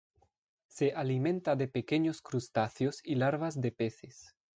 Se alimenta de pequeños crustáceos y larvas de peces.